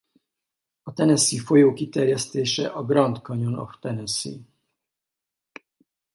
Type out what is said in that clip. A Tennessee folyó kiterjesztése a Grand Canyon of Tennessee.